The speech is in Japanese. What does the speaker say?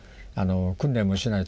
訓練もしない。